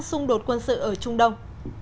xung đột quân sự ở trung đông